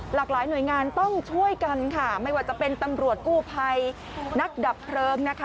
หลากหลายหน่วยงานต้องช่วยกันค่ะไม่ว่าจะเป็นตำรวจกู้ภัยนักดับเพลิงนะคะ